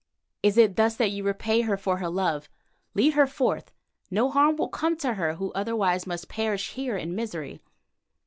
Is it thus that you repay her for her love? Lead her forth. No harm will come to her who otherwise must perish here in misery."